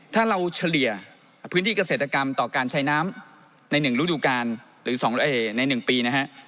ถ้าเราเฉลี่ยพื้นที่เกษตรกรรมต่อการใช้น้ำใน๑ฤดูกาลหรือใน๑ปีนะฮะ